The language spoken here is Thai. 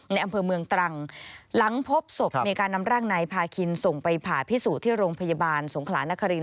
ในอำเภอเมืองตรังหลังพบศพมีการนำร่างนายพาคินส่งไปผ่าพิสูจน์ที่โรงพยาบาลสงขลานคริน